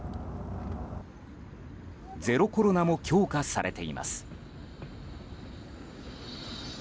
ゼロコロナも強化されています。